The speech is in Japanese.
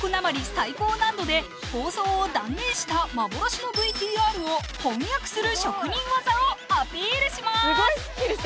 最高難度で放送を断念した幻のＶＴＲを翻訳する職人技をアピールします